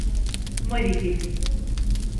Moi difícil.